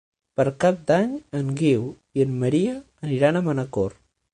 Per Cap d'Any en Guiu i en Maria aniran a Manacor.